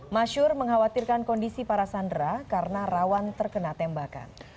masyur mengkhawatirkan kondisi para sandera karena rawan terkena tembakan